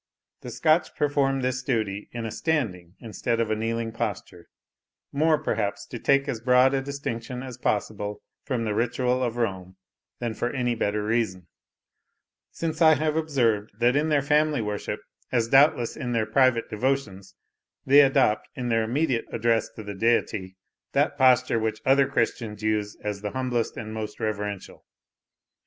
The Scotch perform this duty in a standing instead of a kneeling posture more, perhaps, to take as broad a distinction as possible from the ritual of Rome than for any better reason; since I have observed, that in their family worship, as doubtless in their private devotions, they adopt, in their immediate address to the Deity, that posture which other Christians use as the humblest and most reverential.